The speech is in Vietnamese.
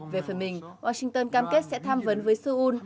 về phần mình washington cam kết sẽ tham vấn với seoul